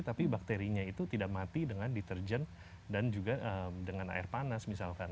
tapi bakterinya itu tidak mati dengan deterjen dan juga dengan air panas misalkan